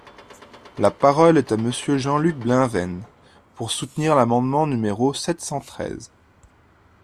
La parole est à Monsieur Jean-Luc Bleunven, pour soutenir l’amendement numéro sept cent treize.